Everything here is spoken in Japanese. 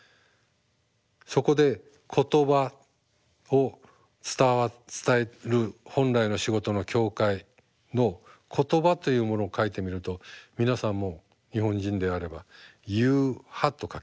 そこで言葉を伝える本来の仕事の教会の言葉というものを書いてみると皆さんも日本人であれば「言う」「葉」と書きます。